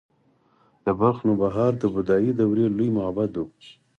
د بلخ نوبهار د بودايي دورې لوی معبد و